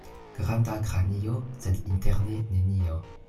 Granda kranio, sed interne nenio.